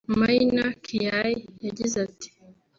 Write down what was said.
Maina Kiai yagize ati